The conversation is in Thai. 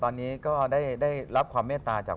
ตอนนี้ก็ได้รับความเมตตาจาก